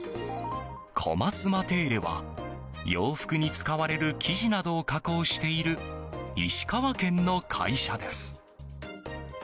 小松マテーレは洋服に使われる生地などを加工している石川県の会社です。